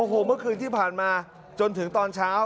โอ้โหเมื่อคืนที่ผ่านมาจนถึงตอนเช้า